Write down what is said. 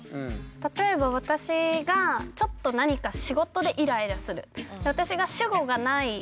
例えば私がちょっと何か仕事でイライラする。